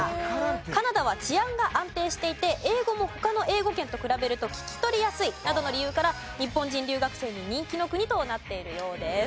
カナダは治安が安定していて英語も他の英語圏と比べると聞き取りやすいなどの理由から日本人留学生に人気の国となっているようです。